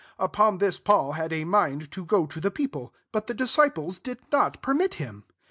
30 Upon this Paul had a mind to go to the people, but the disciples did not permit him.